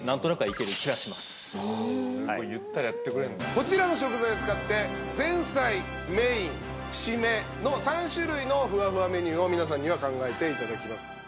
こちらの食材を使って前菜・メイン・締めの３種類のふわふわメニューを皆さんには考えていただきます。